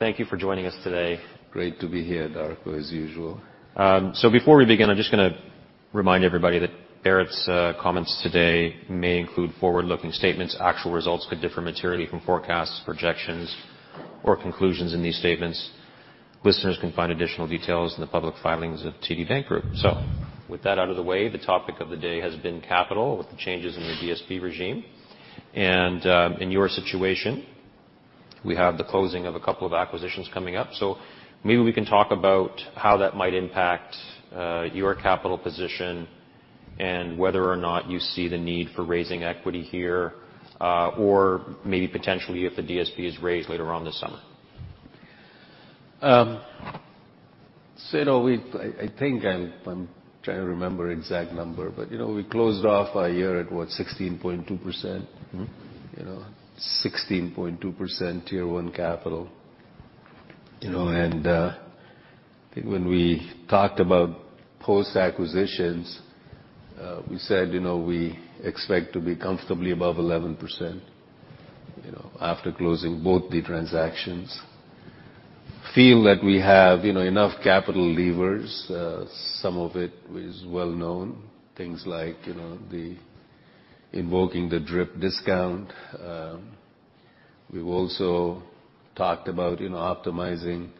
Thank you for joining us today. Great to be here, Darko, as usual. Before we begin, I'm just gonna remind everybody that Bharat's comments today may include forward-looking statements. Actual results could differ materially from forecasts, projections, or conclusions in these statements. Listeners can find additional details in the public filings of TD Bank Group. With that out of the way, the topic of the day has been capital, with the changes in the DSB regime. In your situation, we have the closing of a couple of acquisitions coming up. Maybe we can talk about how that might impact your capital position and whether or not you see the need for raising equity here, or maybe potentially if the DSB is raised later on this summer. you know, I'm trying to remember exact number, but you know, we closed off our year at, what, 16.2%? Mm-hmm. You know, 16.2% Tier 1 capital. You know, I think when we talked about post-acquisitions, we said, you know, we expect to be comfortably above 11%, you know, after closing both the transactions. Feel that we have, you know, enough capital levers. Some of it is well-known, things like, you know, the invoking the DRIP discount. We've also talked about, you know, optimizing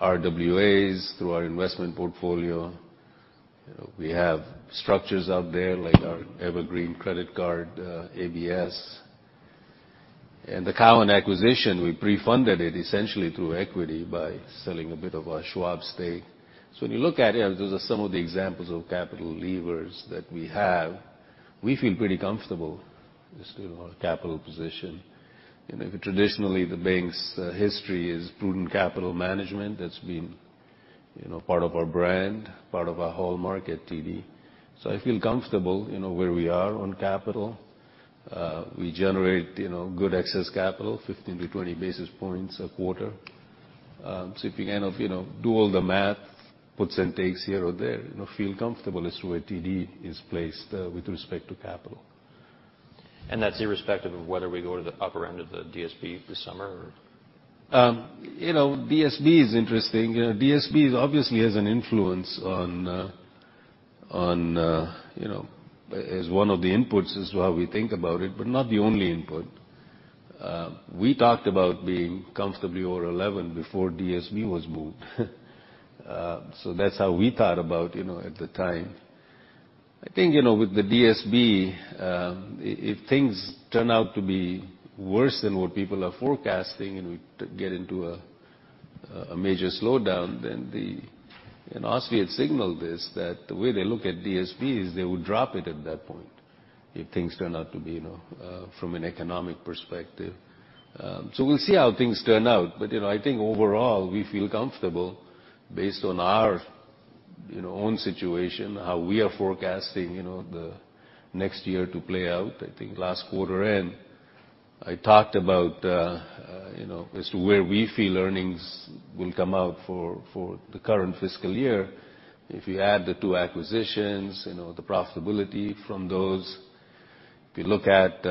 RWAs through our investment portfolio. You know, we have structures out there like our Evergreen Credit Card ABS. The Cowen acquisition, we pre-funded it essentially through equity by selling a bit of our Schwab stake. When you look at it, those are some of the examples of capital levers that we have. We feel pretty comfortable as to our capital position. You know, traditionally, the bank's history is prudent capital management. That's been, you know, part of our brand, part of our whole market, TD. I feel comfortable, you know, where we are on capital. We generate, you know, good excess capital, 15-20 basis points a quarter. If you kind of, you know, do all the math, puts and takes here or there, you know, feel comfortable as to where TD is placed, with respect to capital. That's irrespective of whether we go to the upper end of the DSB this summer? You know, DSB is interesting. DSB obviously has an influence on, you know, as one of the inputs as to how we think about it, but not the only input. We talked about being comfortably over 11 before DSB was moved. That's how we thought about, you know, at the time. I think, you know, with the DSB, if things turn out to be worse than what people are forecasting and we get into a major slowdown, then, and OSFI had signaled this, that the way they look at DSB is they would drop it at that point if things turn out to be, you know, from an economic perspective. We'll see how things turn out. You know, I think overall, we feel comfortable based on our, you know, own situation, how we are forecasting, you know, the next year to play out. I think last quarter end, I talked about, you know, as to where we feel earnings will come out for the current fiscal year. If you add the two acquisitions, you know, the profitability from those. If you look at,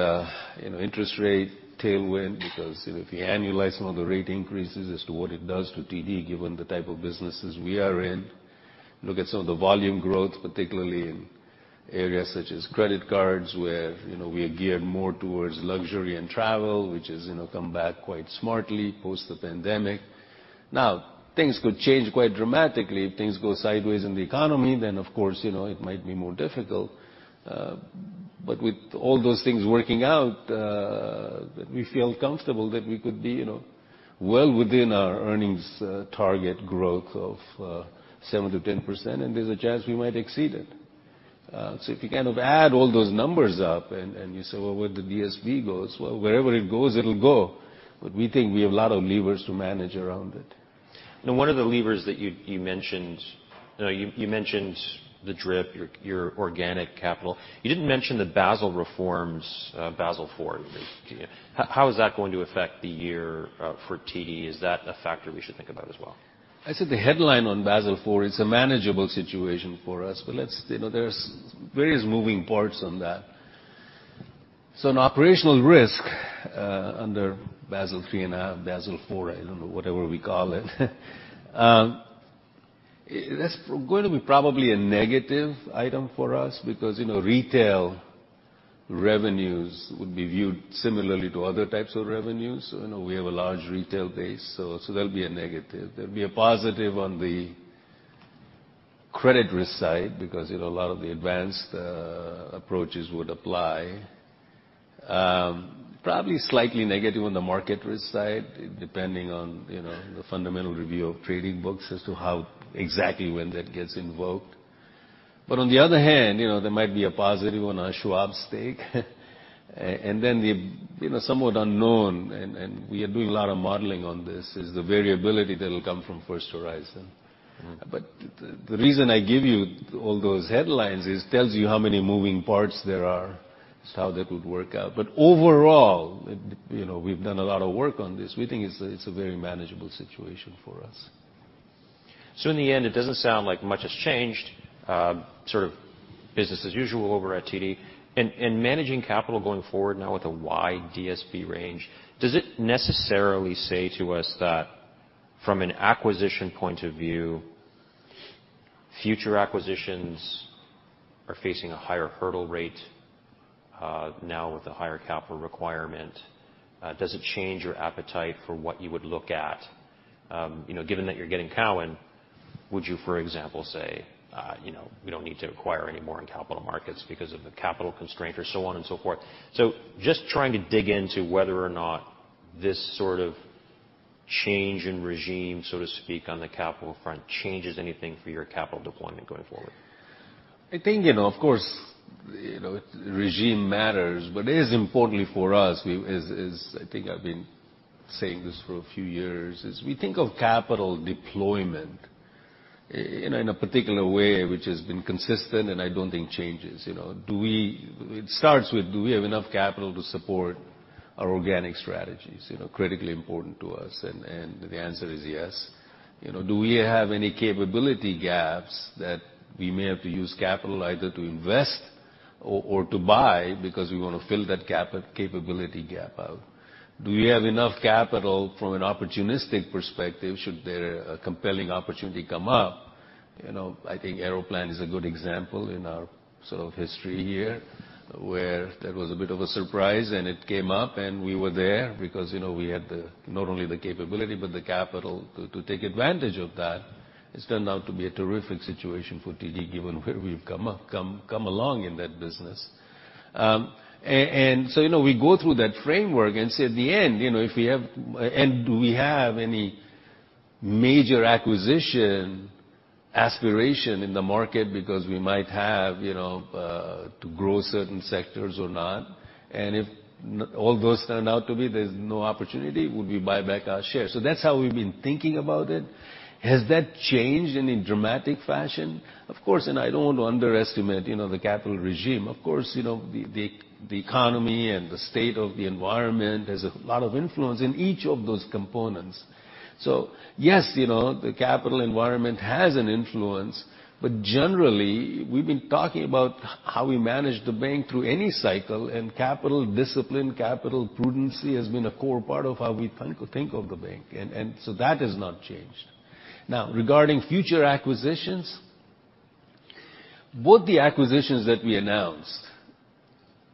you know, interest rate tailwind, because, you know, if you annualize some of the rate increases as to what it does to TD, given the type of businesses we are in. Look at some of the volume growth, particularly in areas such as credit cards, where, you know, we are geared more towards luxury and travel, which has, you know, come back quite smartly post the pandemic. Now, things could change quite dramatically. If things go sideways in the economy, then of course, you know, it might be more difficult. With all those things working out, we feel comfortable that we could be, you know, well within our earnings target growth of 7%-10%, and there's a chance we might exceed it. If you kind of add all those numbers up and you say, "Well, where the DSB goes?" Well, wherever it goes, it'll go. We think we have a lot of levers to manage around it. One of the levers that you mentioned, you mentioned the DRIP, your organic capital. You didn't mention the Basel reforms, Basel IV. How is that going to affect the year for TD? Is that a factor we should think about as well? I said the headline on Basel IV, it's a manageable situation for us. Let's, you know, there's various moving parts on that. An operational risk under Basel III and Basel IV, I don't know, whatever we call it, that's going to be probably a negative item for us because, you know, retail revenues would be viewed similarly to other types of revenues. You know, we have a large retail base, so that'll be a negative. There'll be a positive on the credit risk side because, you know, a lot of the advanced approaches would apply. Probably slightly negative on the market risk side, depending on, you know, the Fundamental Review of the Trading Book as to how exactly when that gets invoked. On the other hand, you know, there might be a positive on our Schwab stake. Then the, you know, somewhat unknown, and we are doing a lot of modeling on this, is the variability that'll come from First Horizon. Mm-hmm. The reason I give you all those headlines is tells you how many moving parts there are as to how that would work out. Overall, you know, we've done a lot of work on this. We think it's a very manageable situation for us. In the end, it doesn't sound like much has changed, sort of business as usual over at TD. Managing capital going forward now with a wide DSB range, does it necessarily say to us that from an acquisition point of view, future acquisitions are facing a higher hurdle rate, now with the higher capital requirement? Does it change your appetite for what you would look at? You know, given that you're getting Cowen, would you, for example, say, you know, "We don't need to acquire any more in capital markets because of the capital constraint," or so on and so forth? Just trying to dig into whether or not this sort of change in regime, so to speak, on the capital front changes anything for your capital deployment going forward. I think, you know, of course, you know, regime matters, but it is importantly for us, is, I think I've been saying this for a few years, is we think of capital deployment in a, in a particular way which has been consistent, I don't think changes, you know. It starts with, do we have enough capital to support our organic strategies, you know, critically important to us. The answer is yes. You know, do we have any capability gaps that we may have to use capital either to invest or to buy because we want to fill that gap, capability gap out? Do we have enough capital from an opportunistic perspective should there a compelling opportunity come up? You know, I think Aeroplan is a good example in our sort of history here, where that was a bit of a surprise, and it came up, and we were there because, you know, we had the, not only the capability but the capital to take advantage of that. It's turned out to be a terrific situation for TD given where we've come up, come along in that business. You know, we go through that framework and say at the end, you know, if we have and do we have any major acquisition aspiration in the market because we might have, you know, to grow certain sectors or not. If all those turn out to be there's no opportunity, would we buy back our shares? That's how we've been thinking about it. Has that changed in a dramatic fashion? Of course, and I don't want to underestimate, you know, the capital regime. Of course, you know, the, the economy and the state of the environment has a lot of influence in each of those components. So yes, you know, the capital environment has an influence, but generally, we've been talking about how we manage the bank through any cycle, and capital discipline, capital prudency has been a core part of how we think of the bank. So that has not changed. Now regarding future acquisitions, both the acquisitions that we announced,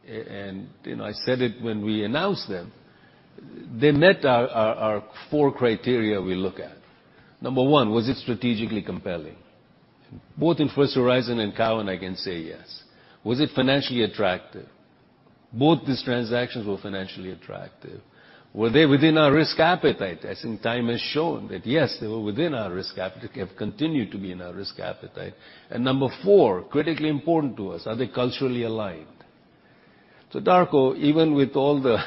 and, you know, I said it when we announced them, they met our four criteria we look at. Number one, was it strategically compelling? Both in First Horizon and Cowen, I can say yes. Was it financially attractive? Both these transactions were financially attractive. Were they within our risk appetite? I think time has shown that, yes, they were within our risk appetite, have continued to be in our risk appetite. Number four, critically important to us, are they culturally aligned? Darko, even with all the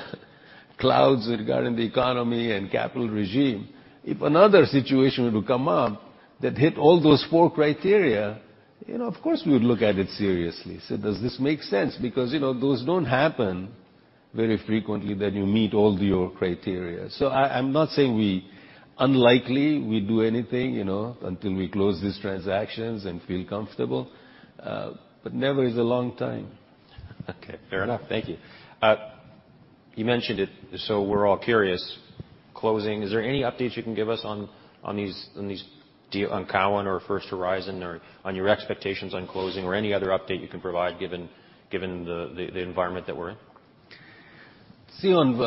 clouds regarding the economy and capital regime, if another situation were to come up that hit all those four criteria, you know, of course, we would look at it seriously. Say, "Does this make sense?" Because, you know, those don't happen very frequently that you meet all your criteria. I'm not saying we unlikely we do anything, you know, until we close these transactions and feel comfortable, but never is a long time. Okay, fair enough. Thank you. You mentioned it, so we're all curious. Closing, is there any updates you can give us on Cowen or First Horizon or on your expectations on closing or any other update you can provide given the environment that we're in? See, on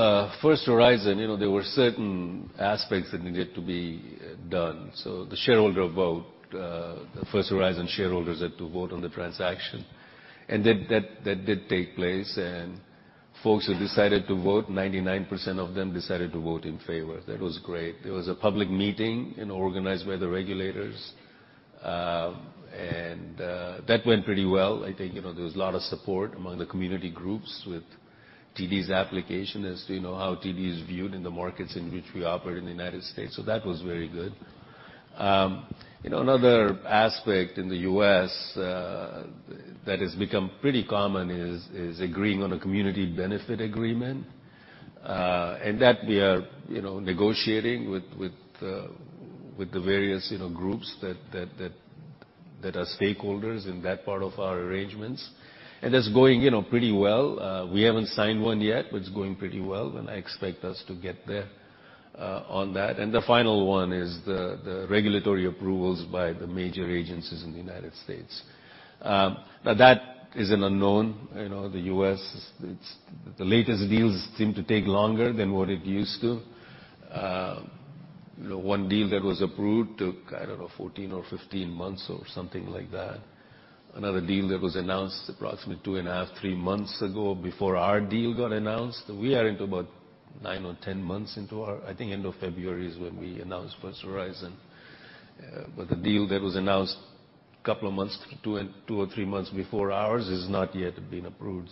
First Horizon, you know, there were certain aspects that needed to be done. The shareholder vote, the First Horizon shareholders had to vote on the transaction. That did take place, and folks who decided to vote, 99% of them decided to vote in favor. That was great. There was a public meeting, you know, organized by the regulators, and that went pretty well. I think, you know, there was a lot of support among the community groups with TD's application as to, you know, how TD is viewed in the markets in which we operate in the United States. That was very good. You know, another aspect in the U.S., that has become pretty common is agreeing on a community benefit agreement. That we are, you know, negotiating with the various, you know, groups that are stakeholders in that part of our arrangements. That's going, you know, pretty well. We haven't signed one yet, but it's going pretty well, and I expect us to get there on that. The final one is the regulatory approvals by the major agencies in the United States. Now that is an unknown. You know, the U.S. is, it's, the latest deals seem to take longer than what it used to. You know, one deal that was approved took, I don't know, 14 or 15 months or something like that. Another deal that was announced approximately two and a half, thre months ago before our deal got announced, we are into about nine or 10 months into our, I think end of February is when we announced First Horizon. The deal that was announced couple of months, two and, two or three months before ours has not yet been approved.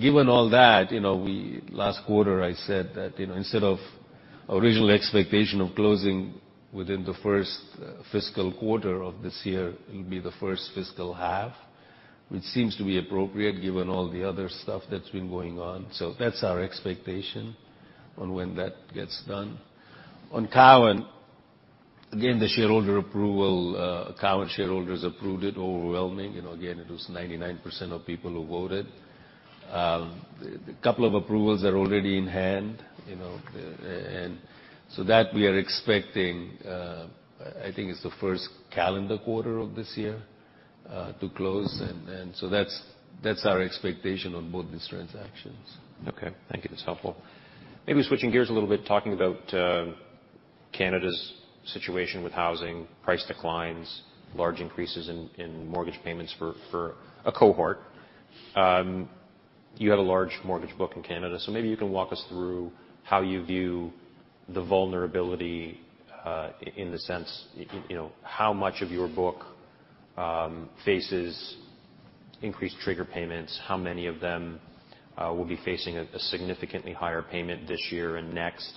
Given all that, you know, we, last quarter I said that, you know, instead of original expectation of closing within the first fiscal quarter of this year, it'll be the first fiscal half, which seems to be appropriate given all the other stuff that's been going on. That's our expectation on when that gets done. On Cowen, again, the shareholder approval, Cowen shareholders approved it overwhelming. You know, again, it was 99% of people who voted. A couple of approvals are already in hand, you know, and so that we are expecting, I think it's the first calendar quarter of this year, to close and then that's our expectation on both these transactions. Okay. Thank you. That's helpful. Maybe switching gears a little bit, talking about, Canada's situation with housing price declines, large increases in mortgage payments for a cohort. You have a large mortgage book in Canada, so maybe you can walk us through how you view the vulnerability, in the sense, you know, how much of your book, faces increased trigger payments, how many of them, will be facing a significantly higher payment this year and next?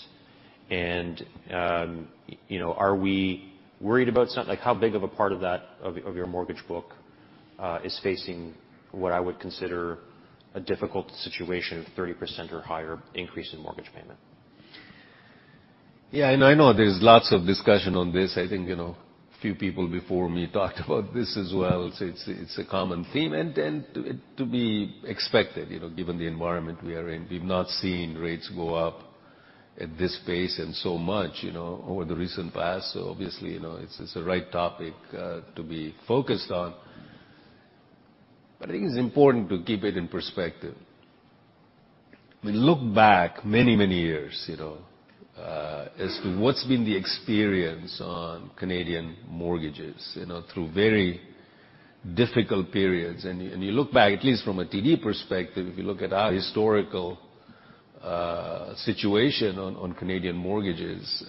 You know, are we worried about like how big of a part of that, of your mortgage book, is facing what I would consider a difficult situation of 30% or higher increase in mortgage payment? Yeah, I know there's lots of discussion on this. I think, you know, a few people before me talked about this as well. It's, it's a common theme, to be expected, you know, given the environment we are in. We've not seen rates go up at this pace and so much, you know, over the recent past. Obviously, you know, it's the right topic to be focused on. I think it's important to keep it in perspective. I mean, look back many, many years, you know, as to what's been the experience on Canadian mortgages, you know, through very difficult periods. You look back, at least from a TD perspective, if you look at our historical situation on Canadian mortgages,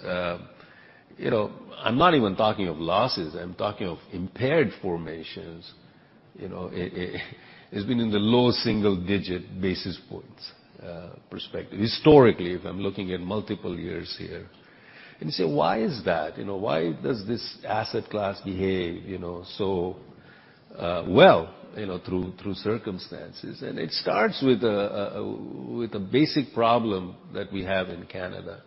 you know, I'm not even talking of losses, I'm talking of impaired loans. You know, it's been in the low single digit basis points, perspective. Historically, if I'm looking at multiple years here. You say, why is that? You know, why does this asset class behave, you know, so, well, you know, through circumstances? It starts with a basic problem that we have in Canada.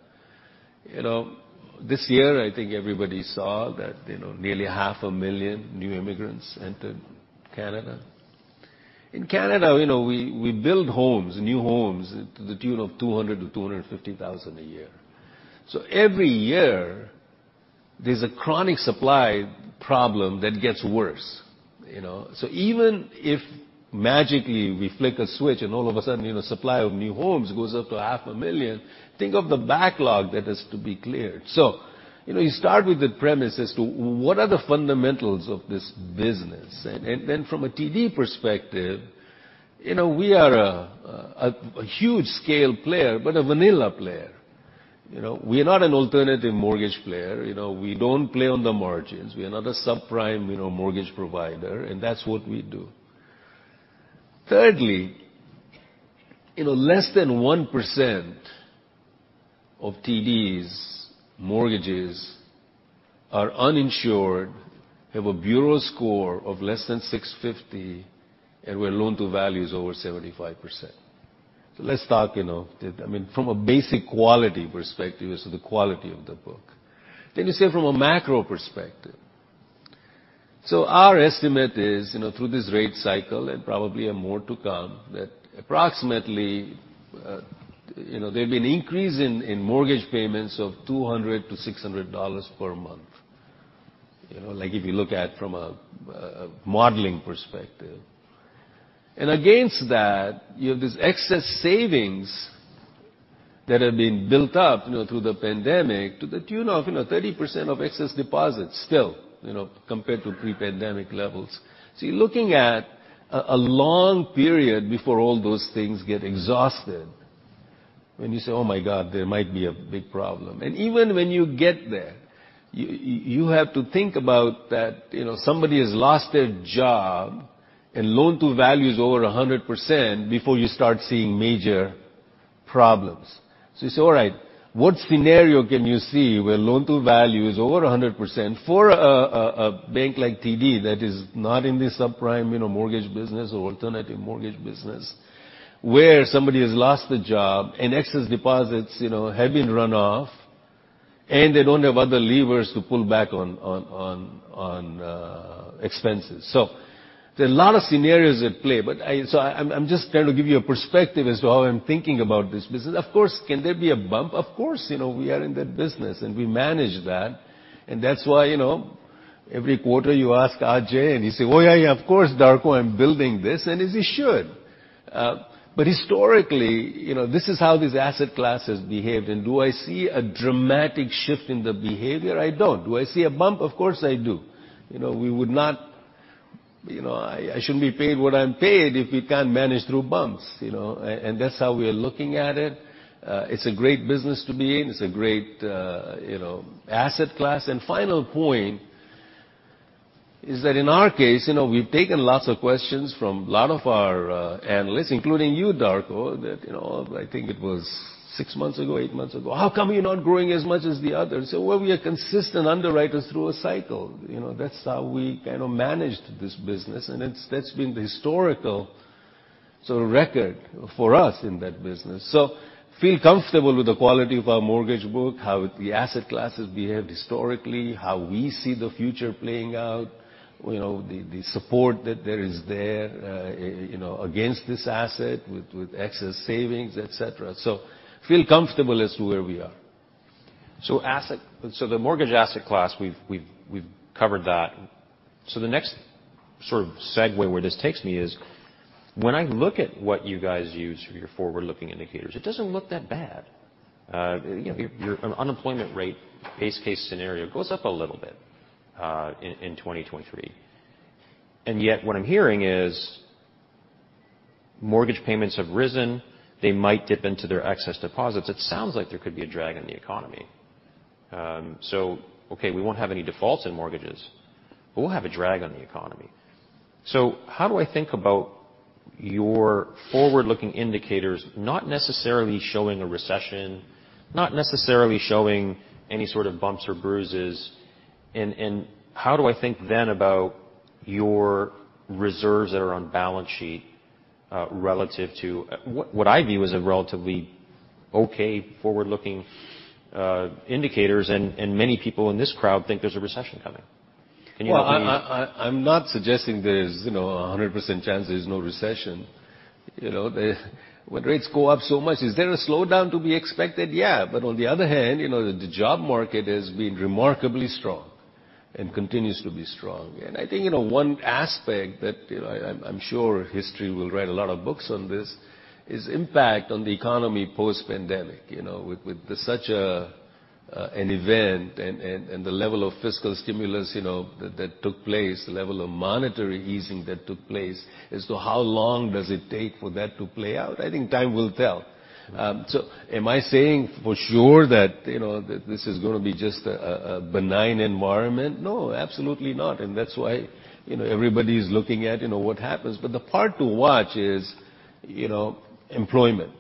You know, this year, I think everybody saw that, you know, nearly half a million new immigrants entered Canada. In Canada, you know, we build homes, new homes to the tune of 200,000-250,000 a year. Every year, there's a chronic supply problem that gets worse, you know? Even if magically we flick a switch and all of a sudden, you know, supply of new homes goes up to half a million, think of the backlog that has to be cleared. You know, you start with the premise as to what are the fundamentals of this business? Then from a TD perspective, you know, we are a, a huge scale player, but a vanilla player. You know. We're not an alternative mortgage player. You know, we don't play on the margins. We are not a subprime, you know, mortgage provider, and that's what we do. Thirdly, you know, less than 1% of TD's mortgages are uninsured, have a credit score of less than 650, and where loan-to-value is over 75%. Let's talk, you know, that, I mean, from a basic quality perspective as to the quality of the book. You say from a macro perspective. Our estimate is, you know, through this rate cycle and probably have more to come, that approximately, you know, there'd be an increase in mortgage payments of 200-600 dollars per month. You know, like if you look at from a modeling perspective. Against that, you have these excess savings that have been built up, you know, through the pandemic to the tune of, you know, 30% of excess deposits still, you know, compared to pre-pandemic levels. You're looking at a long period before all those things get exhausted. When you say, "Oh my god, there might be a big problem." Even when you get there, you have to think about that, you know, somebody has lost their job and loan-to-value is over 100% before you start seeing major problems. You say, all right, what scenario can you see where loan-to-value is over 100% for a bank like TD that is not in the subprime, you know, mortgage business or alternative mortgage business, where somebody has lost a job and excess deposits, you know, have been run off and they don't have other levers to pull back on expenses. There are a lot of scenarios at play. I'm just trying to give you a perspective as to how I'm thinking about this business. Of course, can there be a bump? Of course, you know, we are in that business and we manage that. That's why, you know, every quarter you ask [Ajai], and he say, "Oh, yeah, of course, Darko, I'm building this," and as he should. Historically, you know, this is how this asset class has behaved. Do I see a dramatic shift in the behavior? I don't. Do I see a bump? Of course I do. You know, we would not, I shouldn't be paid what I'm paid if we can't manage through bumps, you know? That's how we are looking at it. It's a great business to be in. It's a great, you know, asset class. Final point is that in our case, you know, we've taken lots of questions from a lot of our analysts, including you, Darko, that, you know, I think it was six months ago, eight months ago, "How come you're not growing as much as the others?" Well, we are consistent underwriters through a cycle. You know, that's how we kind of managed this business. That's been the historical record for us in that business. Feel comfortable with the quality of our mortgage book, how the asset classes behaved historically, how we see the future playing out, you know, the support that there is there, you know, against this asset with excess savings, et cetera. Feel comfortable as to where we are. The mortgage asset class, we've covered that. The next sort of segue where this takes me is when I look at what you guys use for your forward-looking indicators, it doesn't look that bad. You know, your unemployment rate base case scenario goes up a little bit in 2023. What I'm hearing is mortgage payments have risen. They might dip into their excess deposits. It sounds like there could be a drag on the economy. Okay, we won't have any defaults in mortgages, but we'll have a drag on the economy. How do I think about your forward-looking indicators not necessarily showing a recession, not necessarily showing any sort of bumps or bruises? How do I think then about your reserves that are on balance sheet, relative to what I view as a relatively okay forward-looking indicators, and many people in this crowd think there's a recession coming. Can you help me? Well, I'm not suggesting there's, you know, a 100% chance there's no recession. You know, when rates go up so much, is there a slowdown to be expected? Yeah. On the other hand, you know, the job market has been remarkably strong and continues to be strong. I think, you know, one aspect that, you know, I'm sure history will write a lot of books on this, is impact on the economy post-pandemic. You know, with such an event and the level of fiscal stimulus, you know, that took place, the level of monetary easing that took place, as to how long does it take for that to play out? I think time will tell. Am I saying for sure that, you know, this is gonna be just a benign environment? No, absolutely not. That's why, you know, everybody's looking at, you know, what happens. The part to watch is, you know, employment.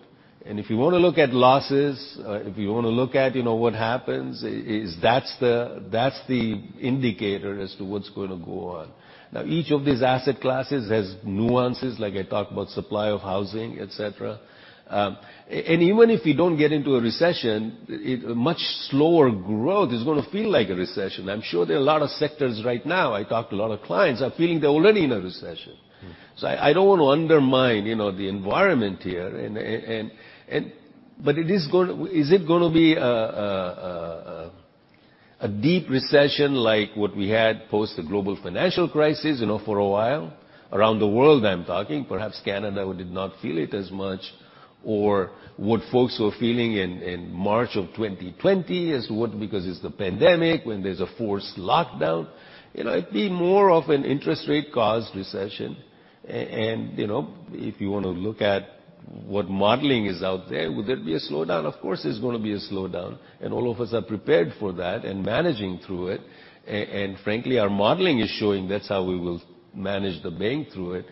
If you wanna look at losses, if you wanna look at, you know, what happens, is that's the, that's the indicator as to what's gonna go on. Now, each of these asset classes has nuances, like I talked about supply of housing, et cetera. Even if we don't get into a recession, much slower growth is gonna feel like a recession. I'm sure there are a lot of sectors right now, I talk to a lot of clients, are feeling they're already in a recession. Mm-hmm. I don't want to undermine, you know, the environment here. Is it gonna be a deep recession like what we had post the global financial crisis, you know, for a while? Around the world, I'm talking. Perhaps Canada did not feel it as much. What folks were feeling in March of 2020 because it's the pandemic when there's a forced lockdown. You know, it'd be more of an interest rate-caused recession. If you wanna look at what modeling is out there, would there be a slowdown? Of course, there's gonna be a slowdown, and all of us are prepared for that and managing through it. Frankly, our modeling is showing that's how we will manage the bank through it.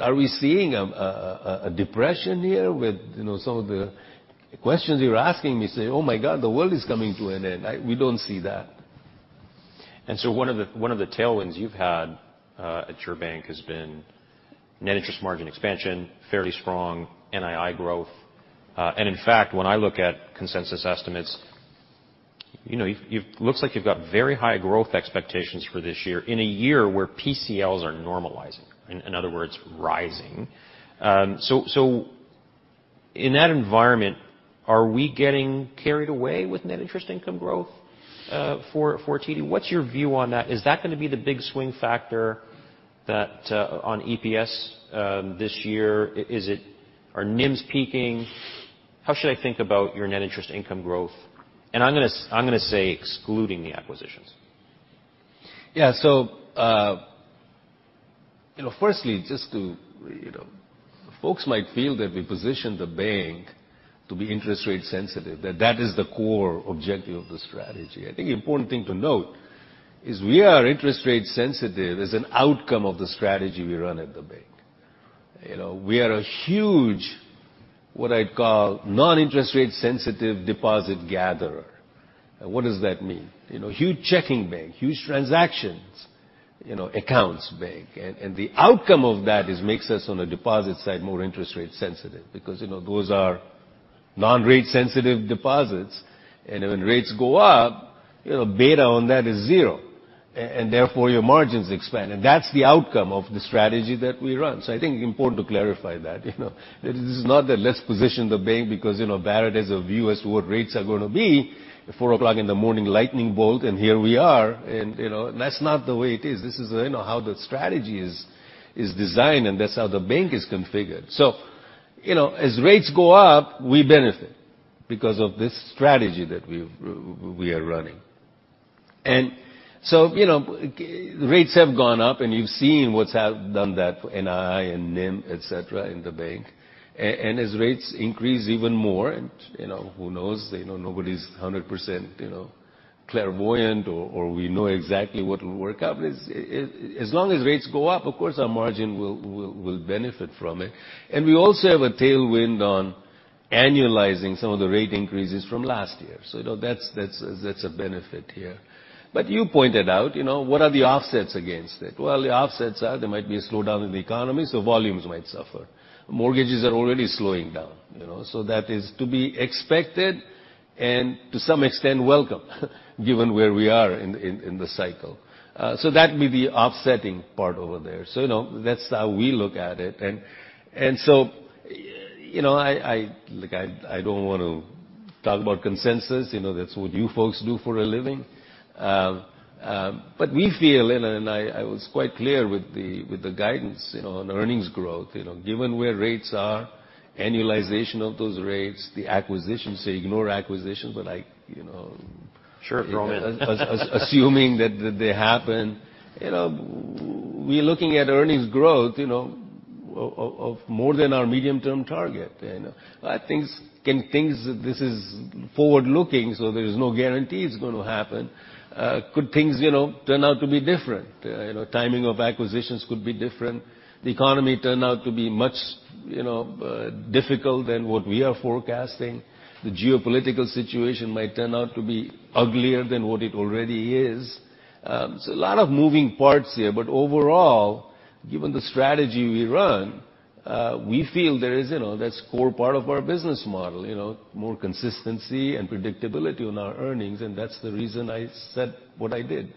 Are we seeing a depression here with, you know, some of the questions you're asking me say, "Oh my god, the world is coming to an end." We don't see that. One of the tailwinds you've had at your bank has been net interest margin expansion, fairly strong NII growth. In fact, when I look at consensus estimates, you know, you've looks like you've got very high growth expectations for this year in a year where PCLs are normalizing. In other words, rising. So in that environment, are we getting carried away with net interest income growth for TD? What's your view on that? Is that gonna be the big swing factor that on EPS this year? Are NIMs peaking? How should I think about your net interest income growth? I'm gonna say excluding the acquisitions. you know, firstly, just to, you know. Folks might feel that we positioned the bank to be interest rate sensitive, that is the core objective of the strategy. I think the important thing to note is we are interest rate sensitive as an outcome of the strategy we run at the bank. You know, we are a huge, what I'd call, non-interest rate sensitive deposit gatherer. What does that mean? You know, huge checking bank, huge transactions, you know, accounts bank. The outcome of that is makes us, on the deposit side, more interest rate sensitive because, you know, those are non-rate sensitive deposits. When rates go up, you know, beta on that is zero, and therefore, your margins expand. That's the outcome of the strategy that we run. I think it's important to clarify that, you know. This is not that let's position the bank because, you know, Bharat has a view as to what rates are gonna be at 4:00 A.M. in the morning, lightning bolt, and here we are. You know, that's not the way it is. This is, you know, how the strategy is designed, and that's how the bank is configured. You know, as rates go up, we benefit because of this strategy that we are running. You know, rates have gone up, and you've seen what's done that NII and NIM, et cetera, in the bank. As rates increase even more and, you know, who knows? You know, nobody's 100%, you know, clairvoyant or we know exactly what will work out. As long as rates go up, of course, our margin will benefit from it. We also have a tailwind annualizing some of the rate increases from last year. You know, that's a benefit here. You pointed out, you know, what are the offsets against it? Well, the offsets are there might be a slowdown in the economy, so volumes might suffer. Mortgages are already slowing down, you know. That is to be expected and to some extent welcome given where we are in the cycle. That may be offsetting part over there. You know, that's how we look at it. You know, I look, I don't want to talk about consensus, you know. That's what you folks do for a living. We feel, and I was quite clear with the guidance, you know, on earnings growth, you know. Given where rates are, annualization of those rates, the acquisitions, so ignore acquisitions, but I, you know... Sure, throw 'em in. Assuming that they happen. You know, we're looking at earnings growth, you know, of more than our medium-term target. This is forward-looking, so there is no guarantee it's gonna happen. Could things, you know, turn out to be different? You know, timing of acquisitions could be different. The economy turn out to be much, you know, difficult than what we are forecasting. The geopolitical situation might turn out to be uglier than what it already is. A lot of moving parts here. Overall, given the strategy we run, we feel there is, you know, that core part of our business model, you know, more consistency and predictability on our earnings, and that's the reason I said what I did,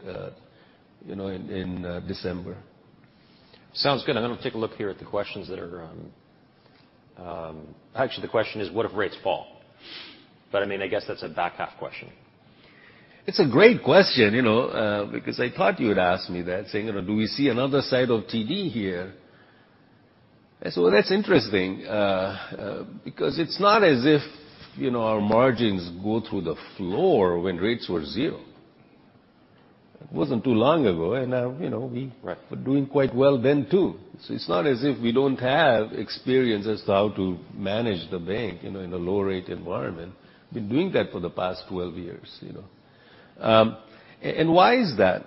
you know, in December. Sounds good. I'm gonna take a look here at the questions that are. Actually, the question is, what if rates fall? I mean, I guess that's a back-half question. It's a great question, you know, because I thought you would ask me that, saying, you know, do we see another side of TD here? That's interesting, because it's not as if, you know, our margins go through the floor when rates were zero. It wasn't too long ago, and, you know, we. Right... were doing quite well then too. It's not as if we don't have experience as to how to manage the bank, you know, in a low rate environment. Been doing that for the past 12 years, you know. Why is that?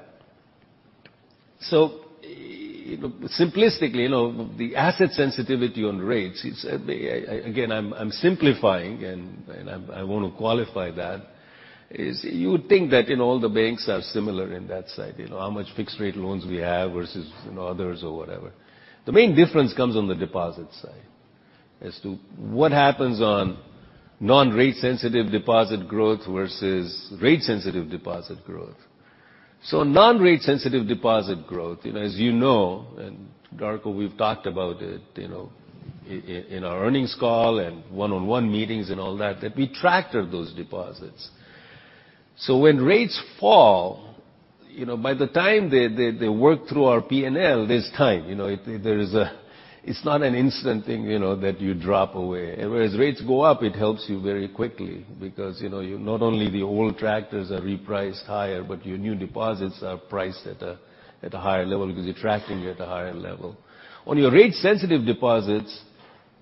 Simplistically, you know, the asset sensitivity on rates is, again, I'm simplifying and I want to qualify that, is you would think that, you know, all the banks are similar in that side. You know, how much fixed rate loans we have versus, you know, others or whatever. The main difference comes on the deposit side as to what happens on non-rate sensitive deposit growth versus rate sensitive deposit growth. Non-rate sensitive deposit growth, you know, as you know, and Darko, we've talked about it, you know, in our earnings call and one-on-one meetings and all that we tractor those deposits. When rates fall, you know, by the time they work through our P&L, there's time. It's not an instant thing, you know, that you drop away. Whereas rates go up, it helps you very quickly because, you know, you're not only the old tractors are repriced higher, but your new deposits are priced at a higher level because you're tracking at a higher level. On your rate sensitive deposits,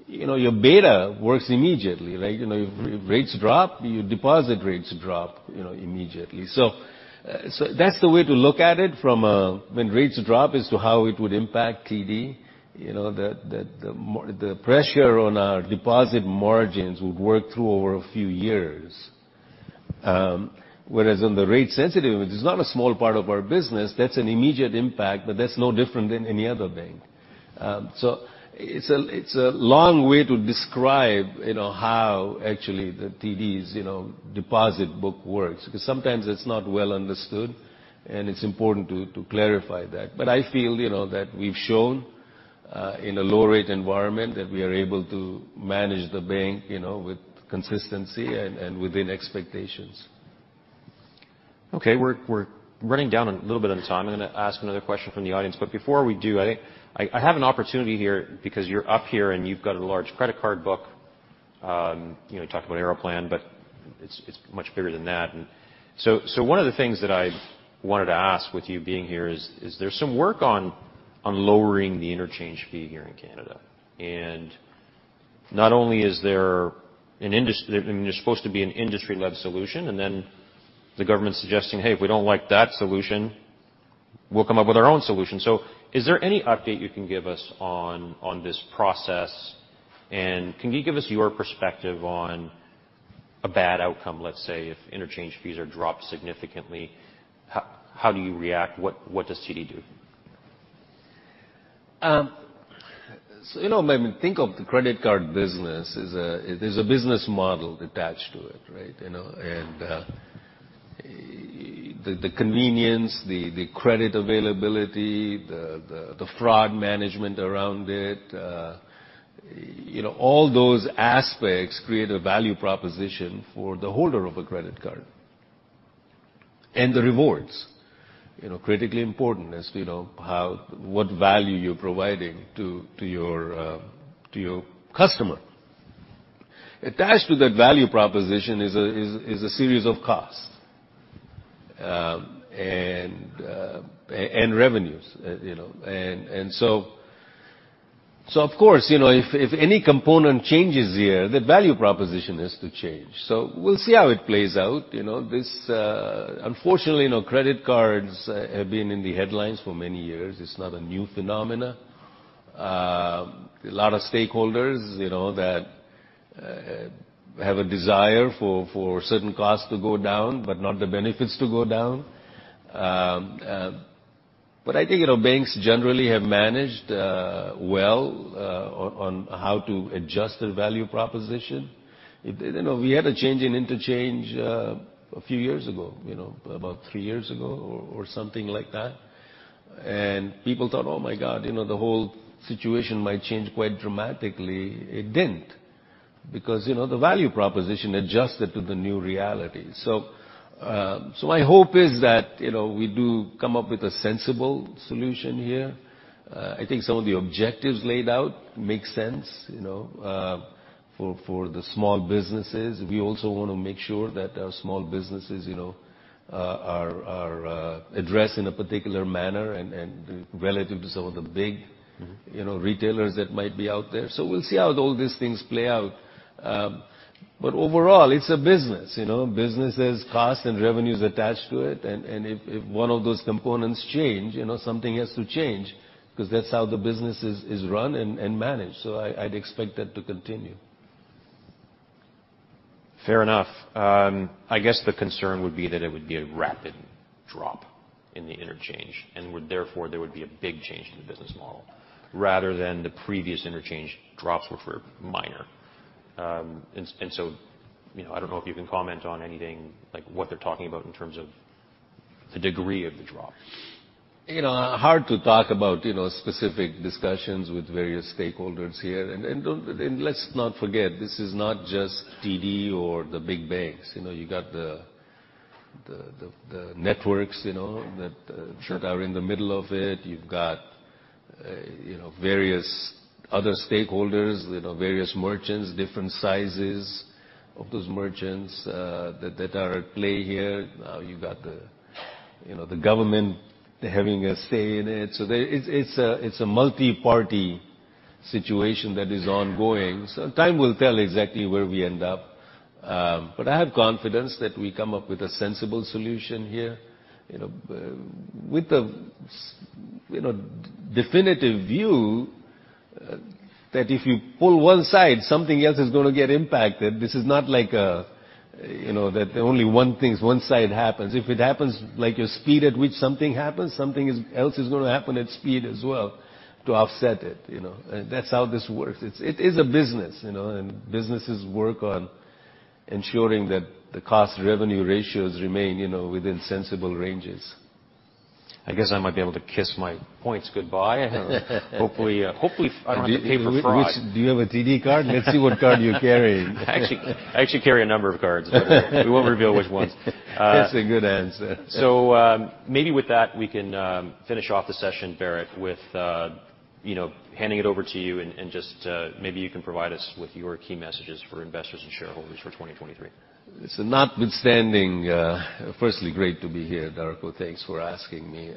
you know, your beta works immediately, right? You know, if rates drop, your deposit rates drop, you know, immediately. So that's the way to look at it from a. When rates drop as to how it would impact TD. You know, the pressure on our deposit margins would work through over a few years. Whereas on the rate sensitive, which is not a small part of our business, that's an immediate impact, but that's no different than any other bank. It's a, it's a long way to describe, you know, how actually the TD's, you know, deposit book works. 'Cause sometimes it's not well understood, and it's important to clarify that. I feel, you know, that we've shown in a low rate environment that we are able to manage the bank, you know, with consistency and within expectations. Okay. We're running down on a little bit on time. I'm gonna ask another question from the audience, but before we do, I think I have an opportunity here because you're up here and you've got a large credit card book. You know, you talked about Aeroplan, but it's much bigger than that. One of the things that I wanted to ask with you being here is there some work on lowering the interchange fee here in Canada? Not only is there I mean, there's supposed to be an industry-led solution, the government suggesting, "Hey, if we don't like that solution, we'll come up with our own solution." Is there any update you can give us on this process? Can you give us your perspective on a bad outcome, let's say, if interchange fees are dropped significantly? How do you react? What does TD do? You know, when we think of the credit card business is a business model attached to it, right? You know, the convenience, the credit availability, the fraud management around it, you know, all those aspects create a value proposition for the holder of a credit card. The rewards, you know, critically important as to, you know, how, what value you're providing to your customer. Attached to that value proposition is a series of costs and revenues, you know. Of course, you know, if any component changes here, the value proposition has to change. We'll see how it plays out. You know, this. Unfortunately, you know, credit cards have been in the headlines for many years. It's not a new phenomenon. A lot of stakeholders, you know, that have a desire for certain costs to go down, but not the benefits to go down. But I think, you know, banks generally have managed well on how to adjust their value proposition. You know, we had a change in interchange a few years ago, you know, about three years ago or something like that. People thought, "Oh, my God, you know, the whole situation might change quite dramatically." It didn't. You know, the value proposition adjusted to the new reality. My hope is that, you know, we do come up with a sensible solution here. I think some of the objectives laid out make sense, you know, for the small businesses. We also wanna make sure that our small businesses, you know, are addressed in a particular manner and relative to some of the. Mm-hmm. You know, retailers that might be out there. We'll see how all these things play out. Overall, it's a business, you know. Business has costs and revenues attached to it. If one of those components change, you know, something has to change, 'cause that's how the business is run and managed. I'd expect that to continue. Fair enough. I guess the concern would be that it would be a rapid drop in the interchange, and would therefore there would be a big change in the business model, rather than the previous interchange drops were for minor. You know, I don't know if you can comment on anything, like what they're talking about in terms of the degree of the drop? You know, hard to talk about, you know, specific discussions with various stakeholders here. Let's not forget, this is not just TD or the big banks. You know, you got the networks, you know. Sure. That that are in the middle of it. You've got, you know, various other stakeholders, you know, various merchants, different sizes of those merchants, that that are at play here. Now you've got the, you know, the government having a say in it. It's a multiparty situation that is ongoing. Time will tell exactly where we end up. I have confidence that we come up with a sensible solution here. You know, with the, you know, definitive view that if you pull one side, something else is gonna get impacted. This is not like a, you know, that only one thing, one side happens. If it happens like a speed at which something happens, something else is gonna happen at speed as well to offset it, you know. That's how this works. It is a business, you know, and businesses work on ensuring that the cost to revenue ratios remain, you know, within sensible ranges. I guess I might be able to kiss my points goodbye. Hopefully I don't have to pay for fraud. Do you have a TD card? Let's see what card you're carrying. I actually carry a number of cards. We won't reveal which ones. That's a good answer. Maybe with that, we can finish off the session, Bharat, with, you know, handing it over to you and just, maybe you can provide us with your key messages for investors and shareholders for 2023. Notwithstanding, firstly, great to be here, Darko. Thanks for asking me.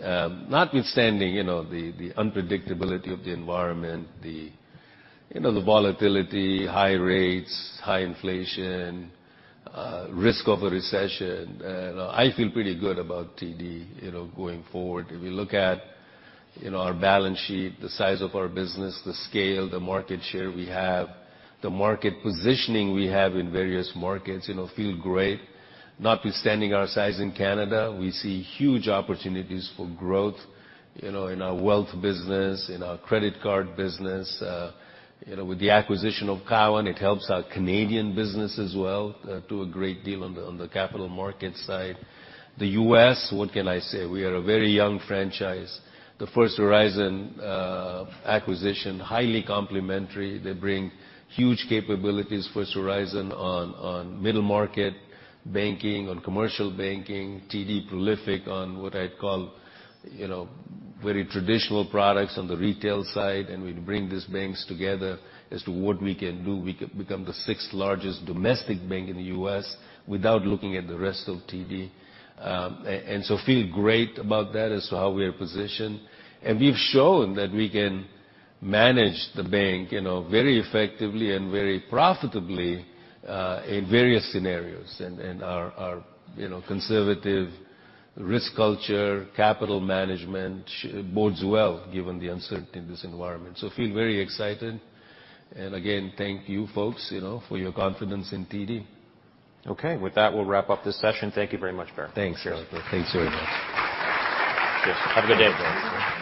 Notwithstanding, you know, the unpredictability of the environment, the, you know, the volatility, high rates, high inflation, risk of a recession, I feel pretty good about TD, you know, going forward. If you look at, you know, our balance sheet, the size of our business, the scale, the market share we have, the market positioning we have in various markets, you know, feel great. Notwithstanding our size in Canada, we see huge opportunities for growth, you know, in our wealth business, in our credit card business. You know, with the acquisition of Cowen, it helps our Canadian business as well, to a great deal on the, on the capital markets side. The U.S., what can I say? We are a very young franchise. The First Horizon acquisition, highly complementary. They bring huge capabilities, First Horizon, on middle market banking, on commercial banking. TD prolific on what I'd call, you know, very traditional products on the retail side, and we bring these banks together as to what we can do. We could become the sixth largest domestic bank in the U.S. without looking at the rest of TD. Feel great about that as to how we are positioned. We've shown that we can manage the bank, you know, very effectively and very profitably, in various scenarios. Our, our, you know, conservative risk culture, capital management bodes well given the uncertainty in this environment. Feel very excited. Again, thank you, folks, you know, for your confidence in TD. Okay. With that, we'll wrap up this session. Thank you very much, Bharat. Thanks, Darko. Thanks very much. Cheers. Have a good day.